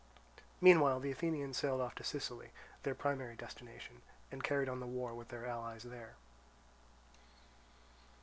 Meanwhile the Athenians sailed off to Sicily, their primary destination, and carried on the war with their allies there.